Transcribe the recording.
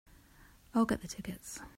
I'll get the tickets.